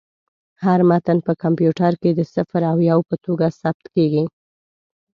هر متن په کمپیوټر کې د صفر او یو په توګه ثبت کېږي.